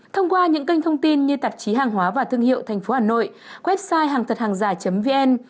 thông qua những kênh thông tin như tạp chí hàng hóa và thương hiệu thành phố hà nội website hàngthậthanggiả vn